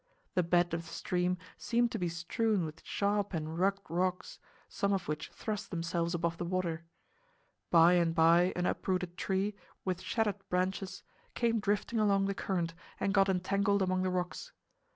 The bed of the stream seemed to be strewn with sharp and rugged rocks, some of which thrust themselves above the water. By and by an uprooted tree, with shattered branches, came drifting along the current and got entangled among the rocks.